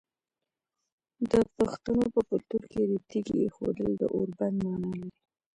د پښتنو په کلتور کې د تیږې ایښودل د اوربند معنی لري.